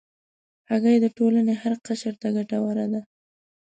هګۍ د ټولنې هر قشر ته ګټوره ده.